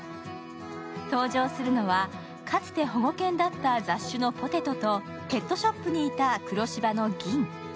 登場するのは、かつて保護犬だった雑種のポテトとペットショップにいた黒柴の銀。